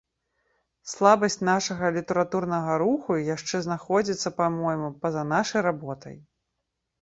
Слабасць нашага літаратурнага руху яшчэ знаходзіцца, па-мойму, па-за нашай работай.